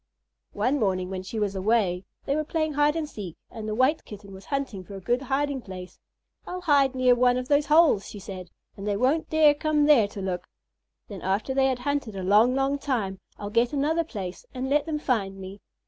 One morning when she was away, they were playing hide and seek, and the White Kitten was hunting for a good hiding place. "I'll hide near one of these holes," she said, "and they won't dare come there to look. Then, after they have hunted a long, long time, I'll get another place and let them find me."